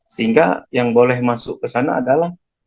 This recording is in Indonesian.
sehingga yang boleh masuk ke sana adalah